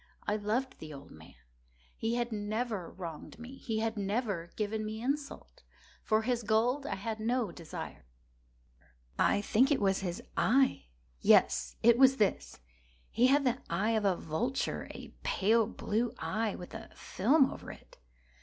I loved the old man. He had never wronged me. He had never given me insult. For his gold I had no desire. I think it was his eye! yes, it was this! He had the eye of a vulture—a pale blue eye, with a film over it.